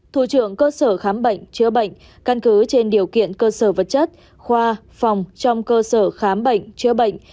thủ trưởng cơ sở khám bệnh chữa bệnh căn cứ trên điều kiện cơ sở vật chất khoa phòng trong cơ sở khám bệnh chữa bệnh